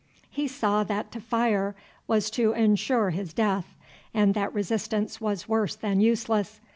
"] He saw that to fire was to ensure his death, and that resistance was worse than useless.